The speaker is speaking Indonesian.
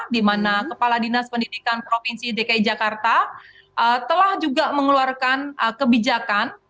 di mana kepala dinas pendidikan provinsi dki jakarta telah juga mengeluarkan kebijakan